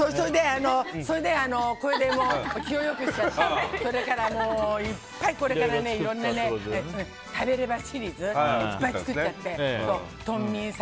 それで、気を良くしちゃってそれから、これから食べればシリーズをいっぱい作っちゃって。